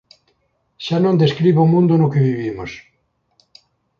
Xa non describe o mundo no que vivimos".